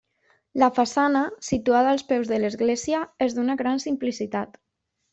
La façana, situada als peus de l'església, és d'una gran simplicitat.